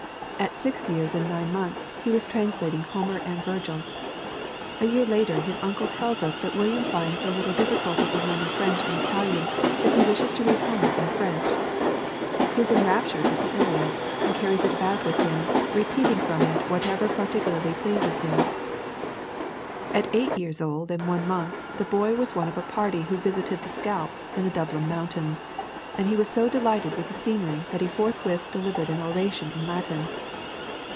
At six years and nine months he was translating Homer and Virgil; a year later his uncle tells us that William finds so little difficulty in learning French and Italian, that he wishes to read Homer in French. He is enraptured with the Iliad, and carries it about with him, repeating from it whatever particularly pleases him. At eight years and one month the boy was one of a party who visited the Scalp in the Dublin mountains, and he was so delighted with the scenery that he forthwith delivered an oration in Latin.